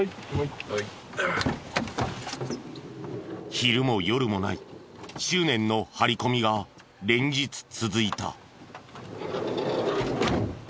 昼も夜もない執念の張り込みが連日続いた。